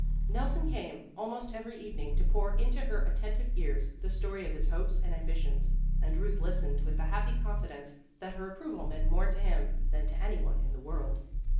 Nelson came almost every evening to pour into her attentive ears the story of his hopes and ambitions, and Euth listened with the happy confidence that her ap proval meant more to him than to any one in the world.